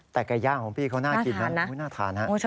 แต่ไก่ย่างของพี่เขาน่ากินนะน่าทานฮะ